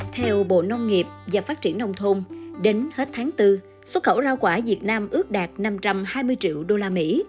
theo bộ nông nghiệp và phát triển nông thôn đến hết tháng bốn xuất khẩu rau quả việt nam ước đạt năm trăm hai mươi triệu đô la mỹ